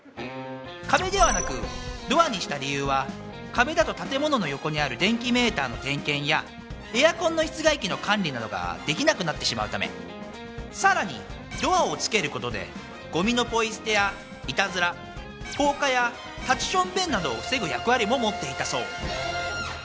壁ではなくドアにした理由は壁だと建物の横にある電気メーターの点検やエアコンの室外機の管理などができなくなってしまうためさらにドアをつけることでゴミのポイ捨てやイタズラ放火や立ち小便などを防ぐ役割も持っていたそう